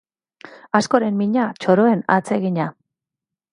Askoren mina txoroen atsegina.